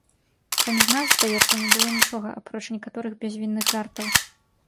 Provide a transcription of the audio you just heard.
Паміж нас, здаецца, не было нічога, апроч некаторых бязвінных жартаў.